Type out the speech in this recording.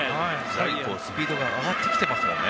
結構、スピードが上がってきていますね。